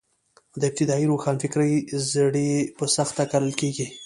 د ابتدايي روښانفکرۍ زړي په سخته کرل کېږي.